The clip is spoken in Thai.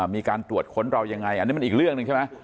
มีการตรวจค้นเรายังไงอันนี้มันอีกเรื่องหนึ่งใช่ไหม